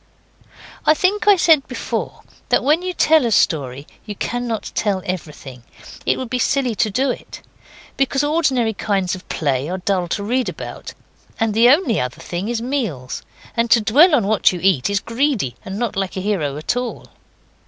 I think I said before that when you tell a story you cannot tell everything. It would be silly to do it. Because ordinary kinds of play are dull to read about; and the only other thing is meals, and to dwell on what you eat is greedy and not like a hero at all.